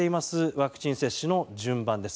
ワクチン接種の順番です。